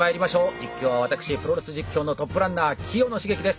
実況は私プロレス実況のトップランナー清野茂樹です。